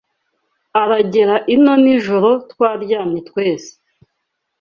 Aragera ino nijoro twaryamye twese